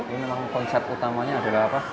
ini memang konsep utamanya adalah apa